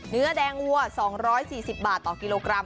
เนื้อแดงวัว๒๔๐บาทต่อกิโลกรัม